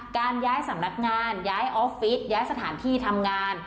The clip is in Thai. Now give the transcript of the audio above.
การย้ายสำนักงานย้ายออฟฟิศย้ายสถานที่ทำงาน